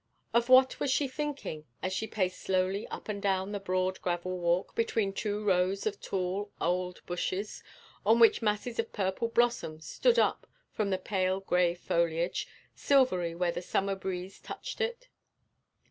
Of what was she thinking as she paced slowly up and down the broad gravel walk, between two rows of tall old bushes, on which masses of purple blossom stood up from the pale grey foliage, silvery where the summer breeze touched it?